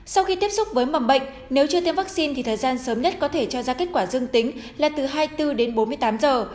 sau khi tiếp xúc với mầm bệnh nếu chưa tiêm vaccine thì thời gian sớm nhất có thể cho ra kết quả dương tính là từ hai mươi bốn đến bốn mươi tám giờ